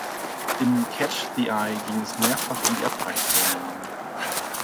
Im catch the eye ging es mehrfach um die Abwrackprämien.